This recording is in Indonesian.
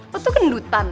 lo tuh kendutan ya